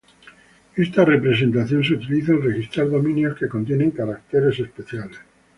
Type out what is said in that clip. Esta representación se utiliza al registrar dominios que contienen caracteres especiales.